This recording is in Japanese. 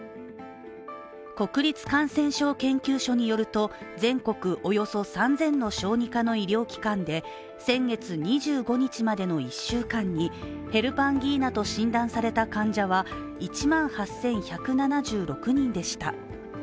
国立感染症研究所によると、全国およそ３０００の小児科の医療機関で先月２５日までの１週間にヘルパンギーナと診断された患者は１万８１７６人でした。